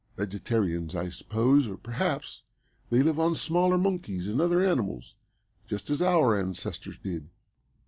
Vegetarians, I suppose, or perhaps they live on smaller monkeys and other animals, just as our ancestors did."